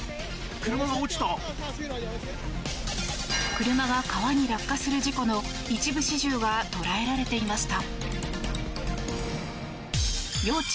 車が川に落下する事故の一部始終が捉えられていました。